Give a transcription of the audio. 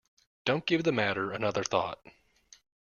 Don't give the matter another thought.